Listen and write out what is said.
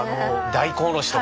大根おろしとか。